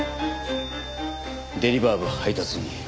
デリバー部配達員